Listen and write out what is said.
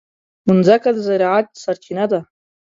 مځکه د زراعت سرچینه ده.